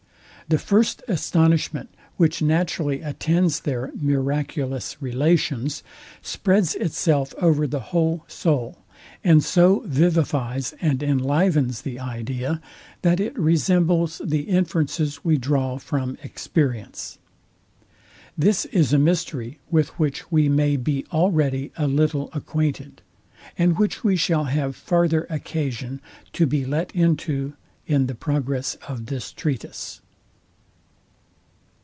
The first astonishment, which naturally attends their miraculous relations, spreads itself over the whole soul, and so vivifies and enlivens the idea, that it resembles the inferences we draw from experience. This is a mystery, with which we may be already a little acquainted, and which we shall have farther occasion to be let into in the progress of this treatise.